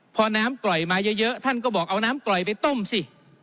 พอน้ำปล่อยมาเยอะท่านก็บอกเอาน้ำปล่อยไปต้มสิ